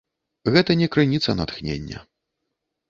Гэта не крыніца натхнення.